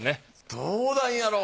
どうなんやろう。